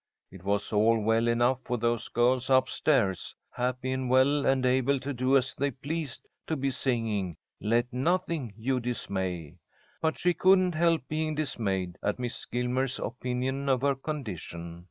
It was all well enough for those girls up stairs, happy and well and able to do as they pleased, to be singing "Let nothing you dismay," but she couldn't help being dismayed at Miss Gilmer's opinion of her condition.